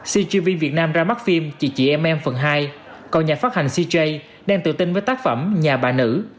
cgv việt nam ra mắt phim chị chị em phần hai còn nhà phát hành cj đang tự tin với tác phẩm nhà bà nữ